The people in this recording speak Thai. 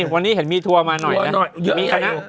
วันนี้เห็นมีทัวมาหน่อยมีคณะ